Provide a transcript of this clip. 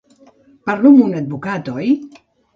Parlo amb un advocat, oi?